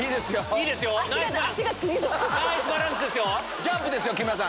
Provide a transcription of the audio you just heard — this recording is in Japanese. ジャンプですよ木村さん。